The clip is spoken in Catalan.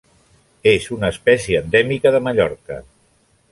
És una espècie endèmica de Mallorca.